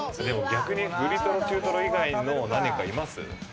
でも逆に、ぶりトロ、中トロ以外の何かいます？